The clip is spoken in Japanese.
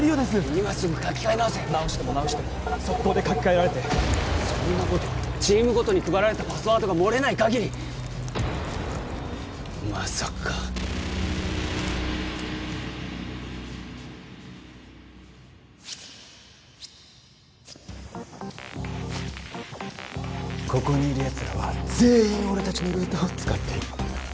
今すぐ書き換え直せ・直しても直してもソッコーで書き換えられてそんなことチームごとに配られたパスワードが漏れないかぎりまさかここにいるやつらは全員俺達のルーターを使っている